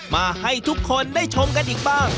มาให้ทุกคนได้ชมกันอีกบ้าง